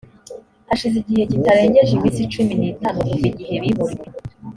hashize igihe kitarengeje iminsi cumi n itanu kuva igihe bimuriwe